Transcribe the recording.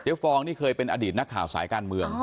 ฟองนี่เคยเป็นอดีตนักข่าวสายการเมือง